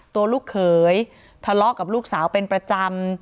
ลูกเขยทะเลาะกับลูกสาวเป็นประจำ